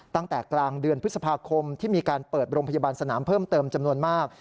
ตั้งแต่กลางเดือนพฤษภาคมที่มีการเปิดโรงพยาบาลสนามเพิ่มเติมจำนวนมาก